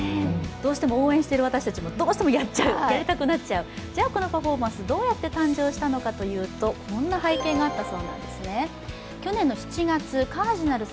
どうしても応援している私たちもやりたくなっちゃうこのパフォーマンスどうやって誕生したのかというとこんな背景がありました。